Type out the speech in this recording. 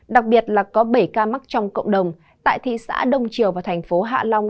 đặc biệt là có bảy ca mắc trong cộng đồng tại thị xã đông triều và thành phố hạ long